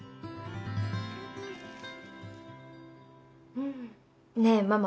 うん。ねぇママ。